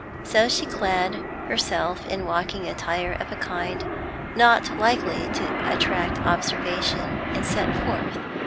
So she clad herself in walking attire of a kind not likely to attract observation, and set forth.